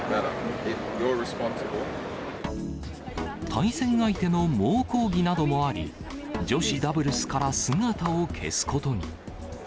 対戦相手の猛抗議などもあり、女子ダブルスから姿を消すことに。